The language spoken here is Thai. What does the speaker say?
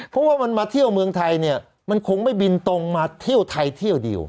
เพราะว่ามันมาเที่ยวเมืองไทยเนี่ยมันคงไม่บินตรงมาเที่ยวไทยเที่ยวเดียว